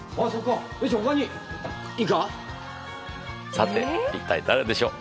さて一体誰でしょう？